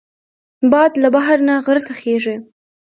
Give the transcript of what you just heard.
باد له بحر نه غر ته خېژي